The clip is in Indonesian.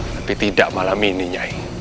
tapi tidak malam ini nyai